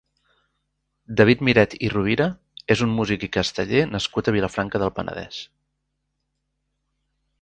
David Miret i Rovira és un músic i casteller nascut a Vilafranca del Penedès.